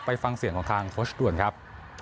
ฟังเสียงของทางโค้ชด่วนครับ